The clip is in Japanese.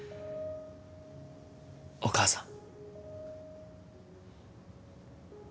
お母さん